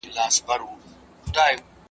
ابن خلدون وايي، د دولت د بقا لپاره قوت لازم دی.